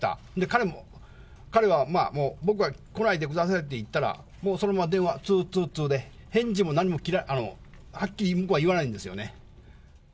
彼も、彼は僕が来ないでくださいと言ったらもうそのまま電話、つーつーつーで、返事も何も、はっきり向こうは言わないんですよね。